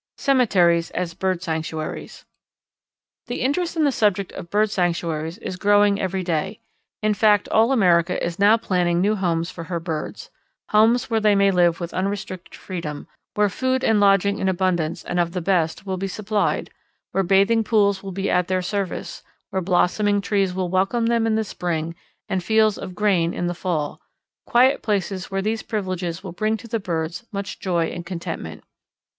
Cemeteries as Bird Sanctuaries. The interest in the subject of bird sanctuaries is growing every day; in fact, all America is now planning new homes for her birds homes where they may live with unrestricted freedom, where food and lodging in abundance, and of the best, will be supplied, where bathing pools will be at their service, where blossoming trees will welcome them in the spring and fields of grain in the fall, quiet places where these privileges will bring to the birds much joy and contentment.